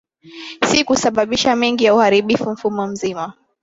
si kusababisha mengi ya uharibifu Mfumo mzima